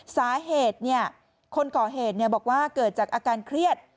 สาเหตุคนก่อเหตุบอกว่าเกิดจากอาการเครียด